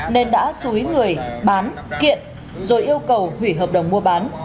nên đã xúi người bán kiện rồi yêu cầu hủy hợp đồng mua bán